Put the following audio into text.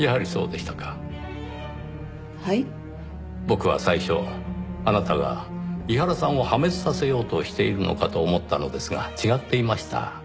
僕は最初あなたが井原さんを破滅させようとしているのかと思ったのですが違っていました。